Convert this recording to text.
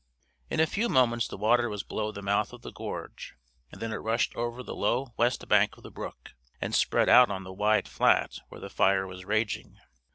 In a few moments the water was below the mouth of the gorge, and then it rushed over the low west bank of the brook and spread out on the wide flat where the fire was raging.